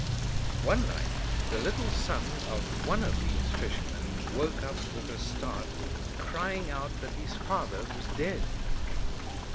One night the little son of one of these fishermen woke up with a start, crying out that his father was dead.